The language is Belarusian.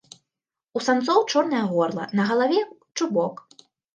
У самцоў чорнае горла, на галаве чубок.